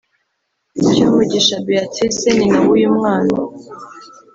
Cyomugisha Beatrice nyina w’uyu mwana